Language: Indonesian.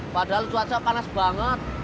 padahal cuaca panas banget